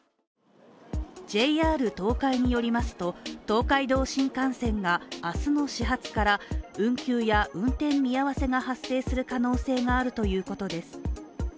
ＪＲ東海によりますと東海道新幹線が、明日の始発から運休や運転見合わせが発生する可能性があるということです。